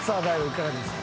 いかがでした？